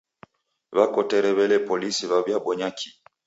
W'akotere w'ele polisi w'awiabonya kii?